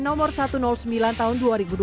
nomor satu ratus sembilan tahun dua ribu dua puluh